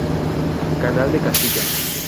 Canal de Castilla.